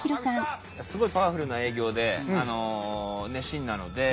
すごいパワフルな営業で熱心なので。